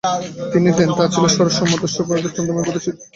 তিনি দেন, তা ছিল সরস, সুমধুর, সুশ্রাব্য, ছন্দোময় ও গতিশীল।